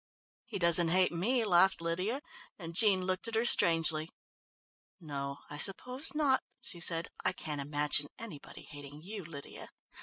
"He doesn't hate me," laughed Lydia, and Jean looked at her strangely. "No, I suppose not," she said. "I can't imagine anybody hating you, Lydia.